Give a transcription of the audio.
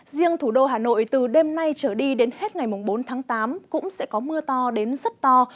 riêng thủ đô hà nội từ đêm nay trở đi đến hết ngày bốn tháng tám cũng sẽ có mưa to đến rất to